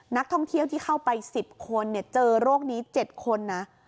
นักท่องเที่ยวที่เข้าไป๑๐คนเจอโรคนี้๗คนนะ